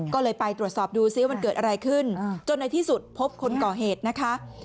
ก็เลยไปตรวจสอบดูซิว่ามันเกิดอะไรขึ้นจนในที่สุดพบคนก่อเหตุนะคะ